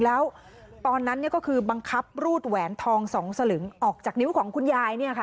แล้วตอนนั้นก็คือบังคับรูดแหวนทอง๒สลึงออกจากนิ้วของคุณยาย